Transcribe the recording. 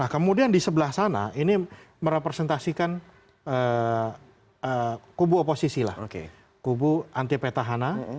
kemudian di sebelah sana ini merepresentasikan kubu oposisi lah kubu anti petahana